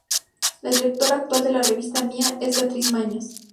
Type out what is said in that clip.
La directora actual de la revista "Mía" es Beatriz Mañas.